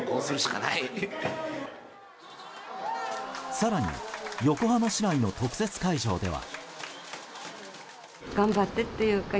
更に、横浜市内の特設会場では。